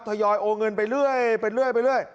ทยอยโอนเงินไปเรื่อย